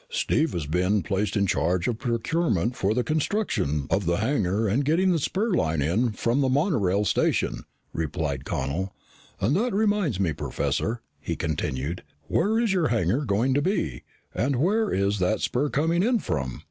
"Steve has been placed in charge of procurement for the construction of the hangar and getting the spur line in from the monorail station," replied Connel. "And that reminds me, Professor," he continued. "Where is your hangar going to be? And where is that spur coming in from?